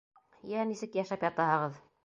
Йә, нисек йәшәп ятаһығыҙ?